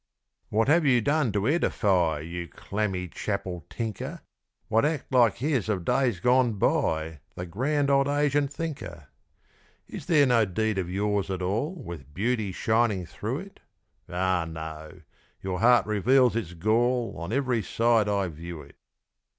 What have you done to edify, You clammy chapel tinker? What act like his of days gone by The grand old Asian thinker? Is there no deed of yours at all With beauty shining through it? Ah, no! your heart reveals its gall On every side I view it.